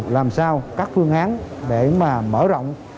làm sao các phương án để mà mở rộng